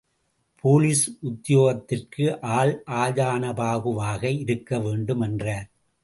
Police உத்தியோகத்திற்கு ஆள் ஆஜானுபாகுவாக இருக்கவேண்டும் என்றார்.